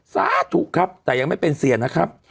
สาธุครับแต่ยังไม่เป็นเสียนะครับ